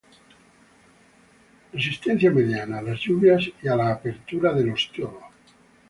Resistencia mediana a las lluvias y a la apertura del ostiolo.